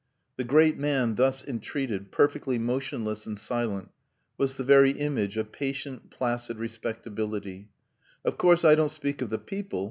The great man, thus entreated, perfectly motionless and silent, was the very image of patient, placid respectability. "Of course I don't speak of the people.